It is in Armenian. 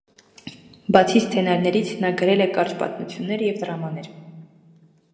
Բացի սցենարներից, նա գրել է կարճ պատմություններ և դրամաներ։